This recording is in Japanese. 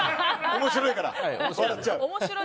面白いから。